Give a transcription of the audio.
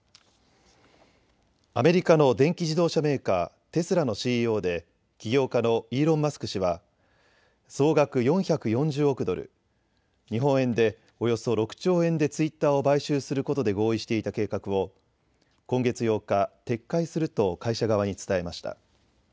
アメリカの電気自動車メーカー、テスラのＣＥＯで起業家のイーロン・マスク氏は、総額４４０億ドル、日本円でおよそ６兆円でツイッターを買収することで合意していた計画を今月８日、撤回すると会社側に伝えました。